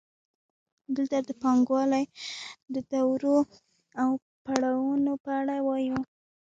دلته د پانګوالۍ د دورو او پړاوونو په اړه وایو